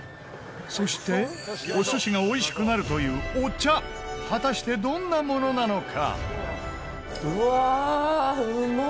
そして、お寿司がおいしくなるというお茶果たしてどんなものなのか？